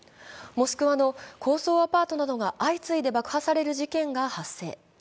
モスクワの高層アパートなどが相次いで爆発される事件が発生。